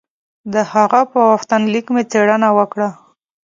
د هغه په غوښتنلیک مې څېړنه وکړه.